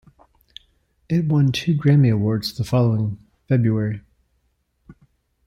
It won two Grammy Awards the following February.